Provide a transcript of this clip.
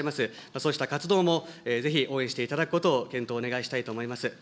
そうした活動もぜひ応援していただくことを検討をお願いしたいと思います。